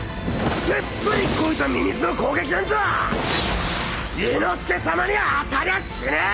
でっぷり肥えたミミズの攻撃なんぞ伊之助さまには当たりゃしねえ！